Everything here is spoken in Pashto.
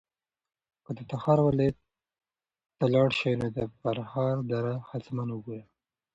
که د تخار ولایت ته لاړ شې نو د فرخار دره حتماً وګوره.